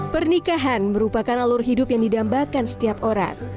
pernikahan merupakan alur hidup yang didambakan setiap orang